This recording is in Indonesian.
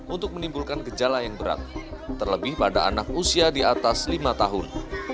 untuk menimbulkan gejala yang berat terlebih pada anak usia di atas lima tahun